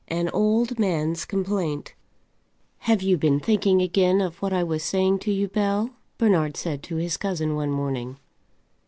AN OLD MAN'S COMPLAINT. [ILLUSTRATION: (untitled)] "Have you been thinking again of what I was saying to you, Bell?" Bernard said to his cousin one morning.